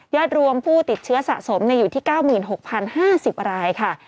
ยัดรวมผู้ติดเชื้อสะสมเนี่ยอยู่ที่เก้าหมื่นหกพันห้าสิบรายค่ะ